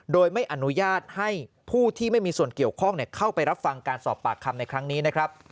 โดยไม่อนุญาตให้ผู้ที่ไม่มีส่วนเกี่ยวข้องเข้าไปรับฟังการสอบปากคำในครั้งนี้นะครับ